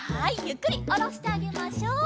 ゆっくりおろしてあげましょう。